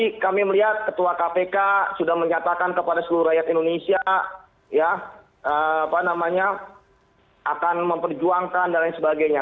tadi kami melihat ketua kpk sudah menyatakan kepada seluruh rakyat indonesia ya apa namanya akan memperjuangkan dan lain sebagainya